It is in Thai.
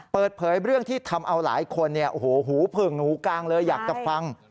เปิดเผยเรื่องที่ทำเอาหลายคนเนี่ยโอ้โหหูผึ่งหูกลางเลยอยากจะฟัง